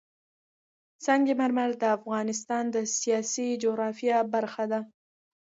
سنگ مرمر د افغانستان د سیاسي جغرافیه برخه ده.